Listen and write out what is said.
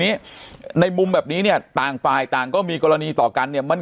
ในมุมแบบนี้เนี่ยต่างฝ่ายต่างก็มีกรณีต่อกันเนี่ยมัน